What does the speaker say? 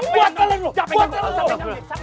buat kalian buat kalian